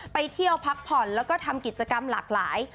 ไปเที่ยวพักผ่อนแล้วก็ทำกิจกรรมหลากหลาย